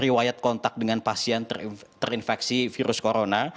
riwayat kontak dengan pasien terinfeksi virus corona